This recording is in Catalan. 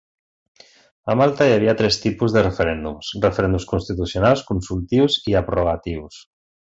A Malta hi ha tres tipus de referèndums: referèndums constitucionals, consultius i abrogatius.